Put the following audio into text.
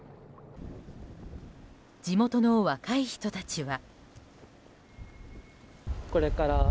地元の若い人たちは。